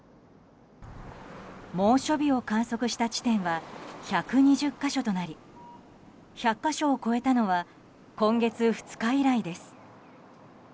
猛暑日を観測した地点は１２０か所となり１００か所を超えたのは今月２日以来です。